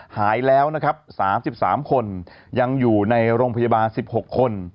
หายแล้วนะครับ๓๓คนยังอยู่ในโรงพยาบาล๑๖คน